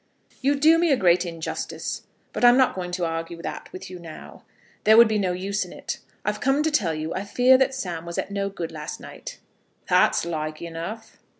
"You do me a great injustice, but I'm not going to argue that with you now. There would be no use in it. I've come to tell you I fear that Sam was at no good last night." "That's like enough."